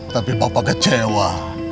tapi bapak kecewa